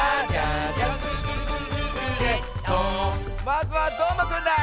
まずはどーもくんだ！